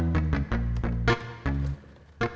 gak malahan sih